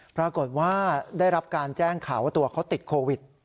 ปรากฏว่าได้รับการแจ้งข่าวว่าตัวเขาติดโควิด